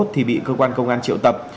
thì bị cơ quan công an triệu tập